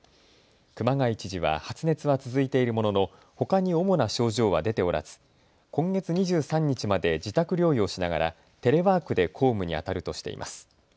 熊谷知事は発熱は続いているもののほかに主な症状は出ておらず今月２３日まで自宅療養しながらテレワークで公務にあたるとしています。